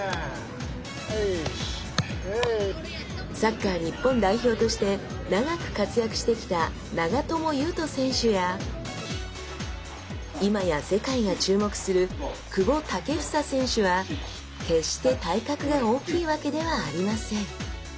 サッカー日本代表として長く活躍してきた長友佑都選手や今や世界が注目する久保建英選手は決して体格が大きいわけではありません。